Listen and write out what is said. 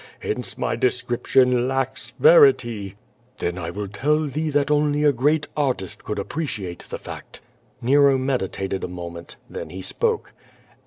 Hence my description lacks verity." QUO VADI8. 295 "Then I will tell thee that only a great artist could appre ciate the fact." Nero meditated a moment. Then he spoke.